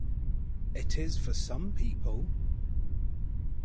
It is for some people.